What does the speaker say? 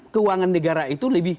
keuangan negara itu